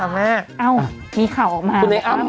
เอ้ามีข่าวออกมาความรู้สึกว่าคุณนายอ้ำคุณนายอ้ำ